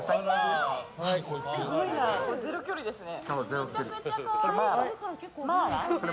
ゼロ距離ですね。